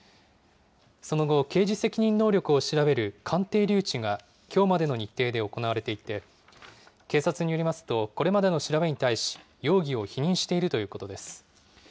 その後、刑事責任能力を調べる鑑定留置がきょうまでの日程で行われていて、警察によりますと、これまでの調べに対し、容疑を否認しているということです。